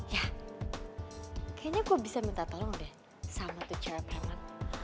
ya kayaknya kok bisa minta tolong deh sama tuh cewek banget